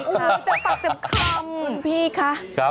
จะปักจำคำ